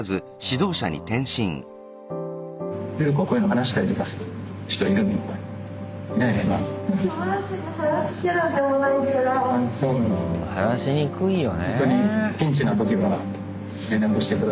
話しにくいよねえ。